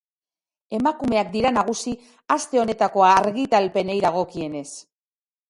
Emakumeak dira nagusi aste honetako argitalpenei dagokienez.